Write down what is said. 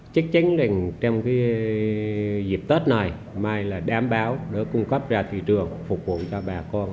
chắc chắn là trong cái dịp tết này mai là đảm bảo để cung cấp ra thị trường phục vụ cho bà con